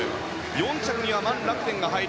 ４着にはマン・ラクテン。